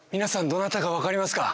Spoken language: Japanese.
どなたか分かりますか？